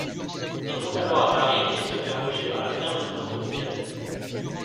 Il monte alors à Paris et se fait embaucher par la firme Motobécane.